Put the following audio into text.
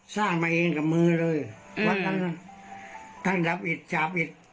สร้างมาเองกับมือเลยวัดนั้นท่านดับอิดจาบอิด